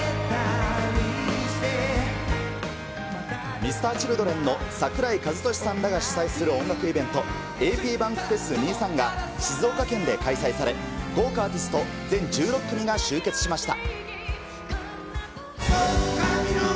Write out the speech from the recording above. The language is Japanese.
Ｍｒ．Ｃｈｉｌｄｒｅｎの櫻井和寿さんらが主催する音楽イベント、ａｐバンクフェス２３が、静岡県で開催され、豪華アーティスト、全１６組が集結しました。